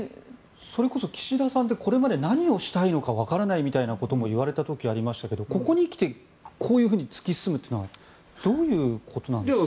それこそ岸田さんって何をしたいかわからないと言われた時ありましたがここに来てこういうふうに突き進むというのはどういうことなんですかね。